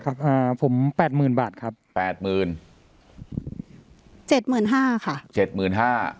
อ่าผมแปดหมื่นบาทครับแปดหมื่นเจ็ดหมื่นห้าค่ะเจ็ดหมื่นห้า